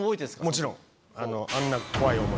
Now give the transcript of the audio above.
もちろん。